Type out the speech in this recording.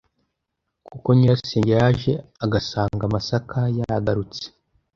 kuko nyirasenge yaje agasanga amasaka yagarutse